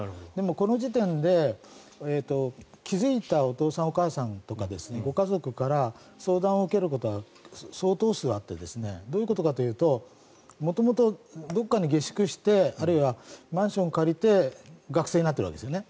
この時点で気付いたお父さんお母さんとかご家族から相談を受けることは相当数あってどういうことかというと元々、どこかに下宿してあるいはマンションを借りて学生になっているわけですよね。